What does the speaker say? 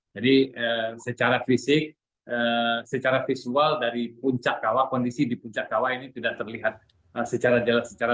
jadi secara fisik secara visual dari puncak kawah kondisi di puncak kawah ini tidak terlihat secara jelas